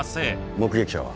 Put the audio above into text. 目撃者は？